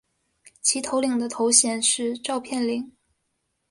其首领的头衔是召片领。